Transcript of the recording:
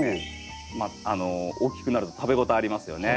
大きくなると食べ応えありますよね。